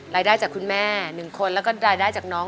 รายได้จากคุณแม่๑คนแล้วก็รายได้จากน้อง